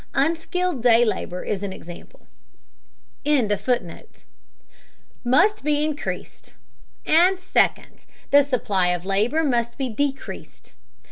Unskilled day labor is an example.] must be increased; and second, the supply of labor must be decreased.